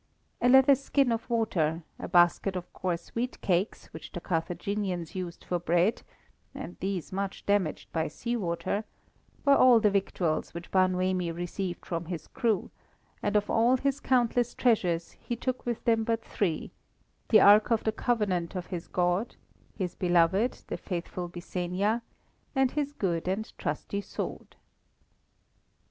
A leather skin of water, a basket of coarse wheat cakes which the Carthaginians used for bread (and these much damaged by sea water), were all the victuals which Bar Noemi received from his crew, and of all his countless treasures, he took with him but three: the Ark of the Covenant of his God; his beloved, the faithful Byssenia; and his good and trusty sword.